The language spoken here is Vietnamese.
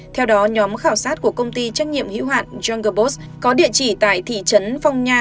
theo đó nhóm khảo sát của công ty trách nhiệm hữu hạn jonggerbot có địa chỉ tại thị trấn phong nha